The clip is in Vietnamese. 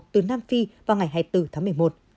từ nam phi vào ngày hai mươi bốn tháng một mươi một